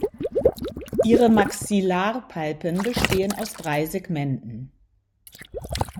Ihre Maxillarpalpen bestehen aus drei Segmenten.